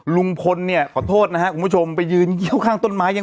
ลุงพลเนี่ยขอโทษนะฮะคุณผู้ชมไปยืนเยี่ยวข้างต้นไม้ยัง